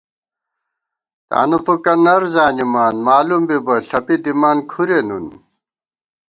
تانُو فُکہ نر زانِمان، مالُوم بِبہ ݪپی دِمان کھُرے نُن